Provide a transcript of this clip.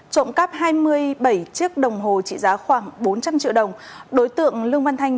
trộm cắp hai mươi bảy chiếc đồng hồ trị giá khoảng bốn trăm linh triệu đồng đối tượng lương văn thanh